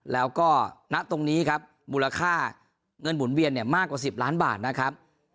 แล้วก็ณตรงนี้ครับมูลค่าเงินหมุนเวียนเนี่ยมากกว่า๑๐ล้านบาทนะครับ